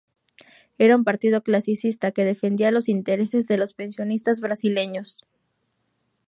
Era un partido clasista, que defendía los intereses de los pensionistas brasileños.